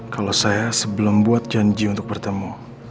kalau saya sebelum buat janji untuk bertemu